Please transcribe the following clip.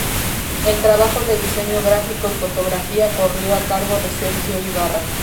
El trabajo de diseño gráfico y fotografía corrió a cargo de "Sergio Ibarra".